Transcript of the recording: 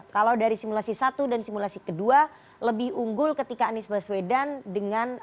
kalau dari simulasi satu dan simulasi kedua lebih unggul ketika anies baswedan dengan